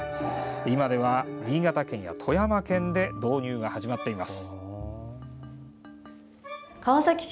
今では、新潟県や富山県で導入が始まっています。